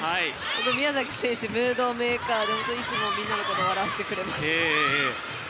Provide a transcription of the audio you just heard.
宮崎選手はムードメーカーで本当にいつもみんなのことを笑わせてくれます。